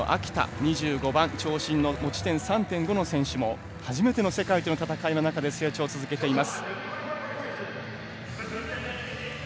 ２５番、長身の持ち点３．５の選手も初めての世界との戦いで成長を続けています。